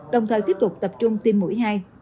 đồng thời tiếp tục tập trung tiêm mũi hai